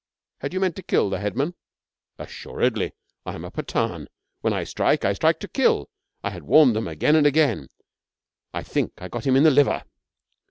'Had you meant to kill the headman?' 'Assuredly! I am a Pathan. When I strike, I strike to kill. I had warned them again and again. I think I got him in the liver.